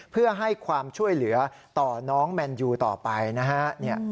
เพื่อให้ความช่วยเหลือต่อน้องแมนยูต่อไปนะฮะ